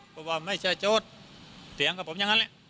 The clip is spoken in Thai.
พ่อบอกว่าไม่ใช่ช็อตเสียงกับผมอย่างนั้นเนี่ย